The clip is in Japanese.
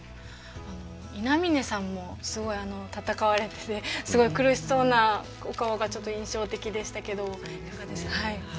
稲嶺さんもすごい闘われててすごい苦しそうなお顔がちょっと印象的でしたけどはい。